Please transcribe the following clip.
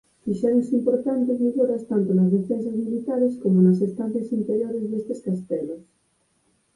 Fixéronse importantes melloras tanto nas defensas militares como nas estancias interiores destes castelos.